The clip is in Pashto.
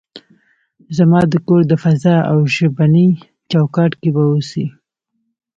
زما د کور د فضا او ژبني چوکاټ کې به اوسئ.